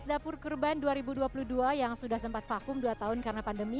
dapur kurban dua ribu dua puluh dua yang sudah sempat vakum dua tahun karena pandemi